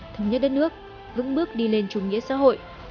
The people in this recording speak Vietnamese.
thống nhất đất nước vững bước đi lên chủ nghĩa xã hội